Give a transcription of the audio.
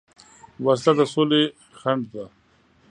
وسله د سولې خنډ ده